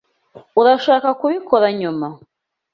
Urashaka kubikora nyuma?